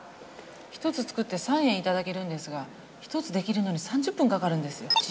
１つ作って３円頂けるんですが１つ出来るのに３０分かかるんですよ。